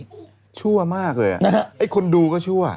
แต่ชั่วมากเลยอ่ะคนดูก็ชั่ว